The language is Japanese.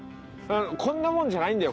こんなもんじゃないんだよ